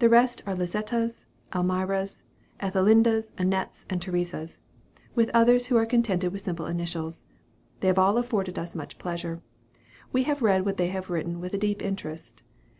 The rest are Lisettas, and Almiras, and Ethelindas, and Annettes, and Theresas; with others who are contented with simple initials. They have all afforded us much pleasure. We have read what they have written with a deep interest.